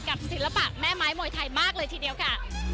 ศิลปะแม่ไม้มวยไทยมากเลยทีเดียวค่ะ